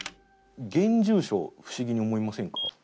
現住所不思議に思いませんか？